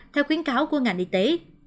theo khuyến cáo của ngành y tế